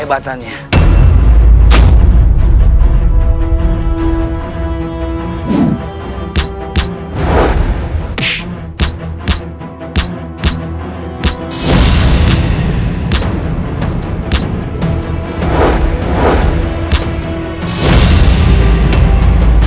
melahirkan calming dilaku